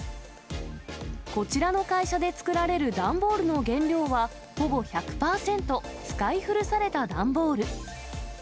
こちらの会社で作られる段ボールの原料は、ほぼ１００％、使い古された段ボール。